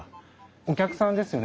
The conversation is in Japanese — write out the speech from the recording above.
お客さんですよね？